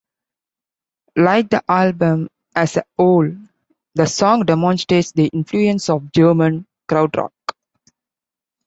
Like the album as a whole, the song demonstrates the influence of German Krautrock.